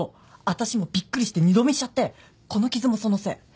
私もびっくりして二度見しちゃってこの傷もそのせい。